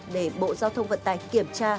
để bộ giao thông vận tài kiểm tra